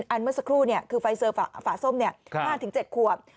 เมื่อสักครู่คือไฟเซอร์ฝาส้ม๕๗ขวบ